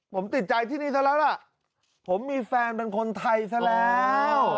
ผมติดใจที่นี่ซะแล้วล่ะผมมีแฟนเป็นคนไทยซะแล้ว